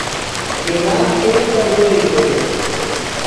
انعام کے کمزوئی بِھلوۡ دےۡ؟